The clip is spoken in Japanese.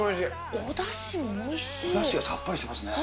おだしがさっぱりしてますね。